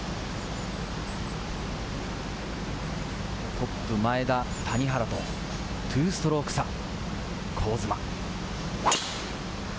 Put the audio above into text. トップ・前田、谷原と２ストローク差、香妻。